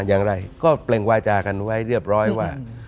อย่างไรก็เปล่งวาจากันไว้เรียบร้อยว่า